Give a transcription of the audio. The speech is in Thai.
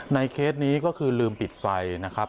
เคสนี้ก็คือลืมปิดไฟนะครับ